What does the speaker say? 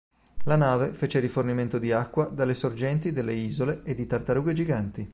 La nave fece rifornimento di acqua dalle sorgenti delle isole e di tartarughe giganti.